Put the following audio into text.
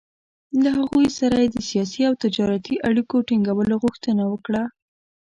له هغوی سره یې د سیاسي او تجارتي اړیکو ټینګولو غوښتنه وکړه.